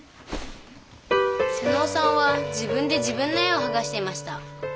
妹尾さんは自分で自分の絵をはがしていました。